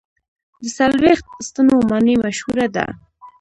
د څلوېښت ستنو ماڼۍ مشهوره ده.